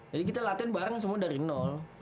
jadi kita latihan bareng semua dari nol